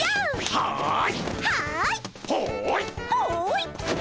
はい！